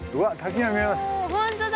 本当だ！